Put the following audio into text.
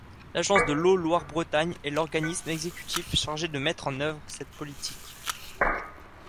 L'agence de l'eau Loire-Bretagne est l'organisme exécutif chargé de mettre en œuvre cette politique.